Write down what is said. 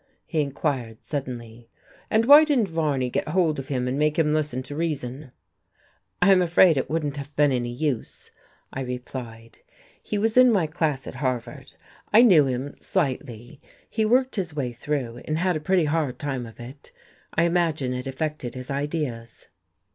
he inquired suddenly. "And why didn't Varney get hold of him and make him listen to reason?" "I'm afraid it wouldn't have been any use," I replied. "He was in my class at Harvard. I knew him slightly. He worked his way through, and had a pretty hard time of it. I imagine it affected his ideas."